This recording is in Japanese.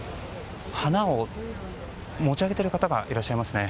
花を持ち上げている方がいらっしゃいますね。